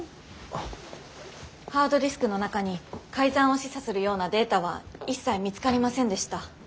ハードディスクの中に改ざんを示唆するようなデータは一切見つかりませんでした。